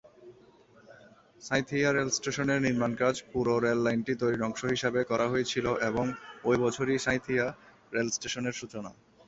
সাঁইথিয়া রেলস্টেশনের নির্মাণ কাজ পুরো রেল লাইনটি তৈরির অংশ হিসাবে করা হয়েছিল এবং ওই বছরই সাঁইথিয়া রেল স্টেশনের সূচনা।